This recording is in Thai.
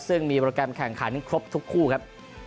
ซึ่งมีโปรแกรมแข่งขันครบทุกคู่ครับ